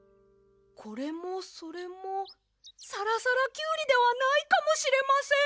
これもそれもさらさらキュウリではないかもしれません！